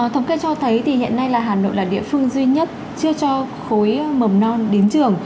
thống kê cho thấy thì hiện nay là hà nội là địa phương duy nhất chưa cho khối mầm non đến trường